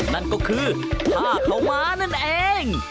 นั่นก็คือผ้าขาวม้านั่นเอง